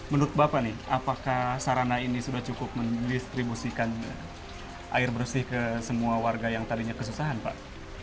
menurut bapak nih apakah sarana ini sudah cukup mendistribusikan air bersih ke semua warga yang tadinya kesusahan pak